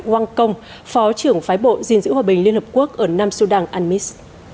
wang kong phó trưởng phái bộ dình giữ hòa bình liên hợp quốc ở nam sudan unmiss